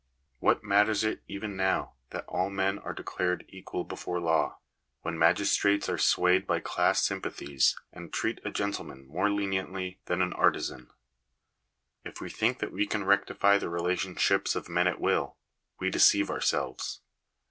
What matters it even now, that all men are declared equal before the law, when magistrates are swayed by class sympathies, and treat a gentleman more leniently than an artizan ? If we think that we can rectify the relationships of men at will, we deceive ourselves.